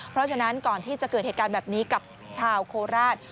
เพราะฉะนั้นก่อนที่จะเกิดเหตุการณ์แบบนี้กับชาวโคราช